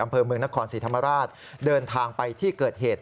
อำเภอเมืองนครศรีธรรมราชเดินทางไปที่เกิดเหตุ